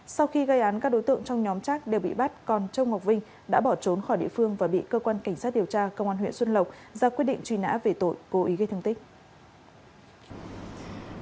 sau khi gây án các đối tượng trong nhóm trác đều bị bắt còn châu ngọc vinh đã bỏ trốn khỏi địa phương và bị cơ quan cảnh sát điều tra công an huyện xuân lộc ra quyết định truy nã về tội cố ý gây thương tích